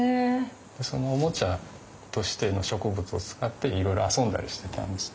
そのおもちゃとしての植物を使っていろいろ遊んだりしてたんです。